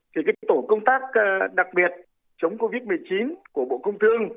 thì cái tổ công tác đặc biệt chống covid một mươi chín của bộ công thương